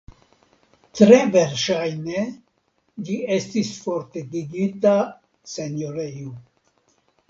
Tre verŝajne ĝi estis fortikigita senjorejo.